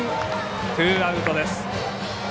ツーアウトです。